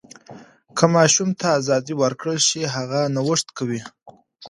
که ماشوم ته ازادي ورکړل شي، هغه نوښت کوي.